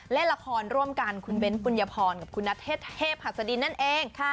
เล่นละครร่วมกันคุณเบ้นปุญญพรกับคุณนัทเทพหัสดินนั่นเอง